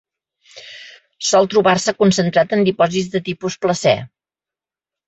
Sol trobar-se concentrat en dipòsits de tipus placer.